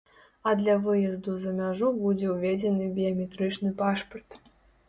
А для выезду за мяжу будзе ўведзены біяметрычны пашпарт.